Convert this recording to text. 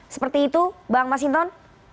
seperti itu bang mas hinton